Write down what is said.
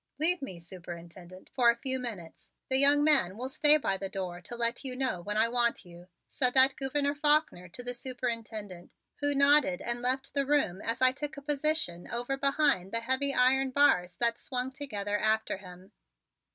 "Leave me, Superintendent, for a few minutes. The young man will stay by the door to let you know when I want you," said that Gouverneur Faulkner to the superintendent, who nodded and left the room as I took a position over beside the heavy iron bars that swung together after him.